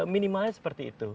minimalnya seperti itu